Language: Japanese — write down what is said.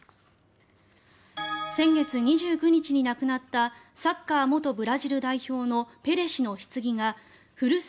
先月２９日に亡くなったサッカー元ブラジル代表のペレ氏のひつぎが古巣